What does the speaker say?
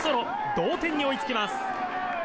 同点に追いつきます。